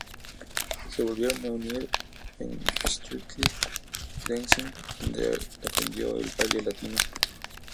Se volvieron a unir en Strictly Dancing, donde aprendió el baile Latino.